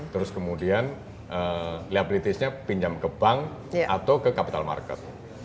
terus kemudian liabilitiesnya pinjam ke bank atau ke capital market